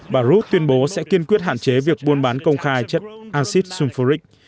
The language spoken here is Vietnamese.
bà rod tuyên bố sẽ kiên quyết hạn chế việc buôn bán công khai chất acid sulfuric